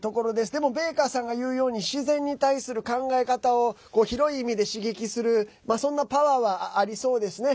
でもベイカーさんが言うように自然に対する考え方を広い意味で刺激するそんなパワーはありそうですね。